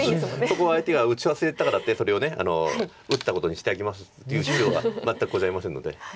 そこは相手が打ち忘れたからってそれを打ったことにしてあげますっていう事情が全くございませんので。